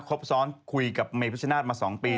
ครบซ้อนคุยกับเมพิชนาธิ์มา๒ปี